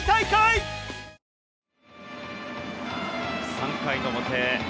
３回の表。